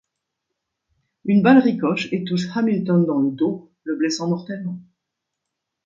Une balle ricoche et touche Hamilton dans le dos, le blessant mortellement.